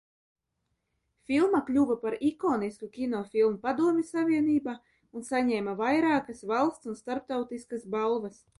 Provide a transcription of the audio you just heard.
Filma kļuva par ikonisku kinofilmu Padomju Savienībā un saņēma vairākas valsts un starptautiskas balvas.